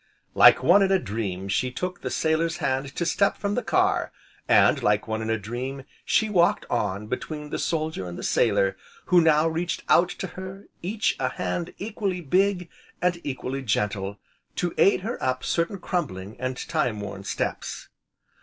Like one in a dream she took the sailor's hand to step from the car, and like one in a dream, she walked on between the soldier and the sailor, who now reached out to her, each, a hand equally big and equally gentle, to aid her up certain crumbling, and time worn steps.